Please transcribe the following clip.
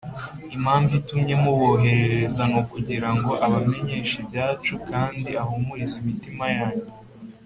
Impamvu itumye muboherereza ni ukugira ngo abamenyeshe ibyacu kandi ahumurize imitima yanyu